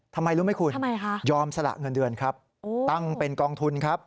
ทำไมรู้ไหมคุณยอมสละเงินเดือนครับตั้งเป็นกองทุนครับ